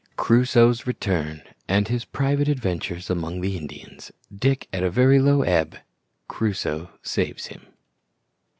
Crusoe's return, and his private adventures among the Indians Dick at a very low ebb Crusoe saves him.